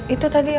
itu tadi ya